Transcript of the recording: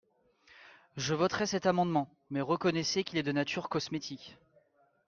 Je voterai cet amendement, mais reconnaissez qu’il est de nature cosmétique.